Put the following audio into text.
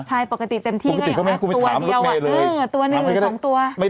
ใช่ปกติเต็มที่มั้ยอย่างนักตัวเดียวเนอะปกติก็มันต้องให้คนมาถามว่าหนึบในนึก๒ตัวเต็มที่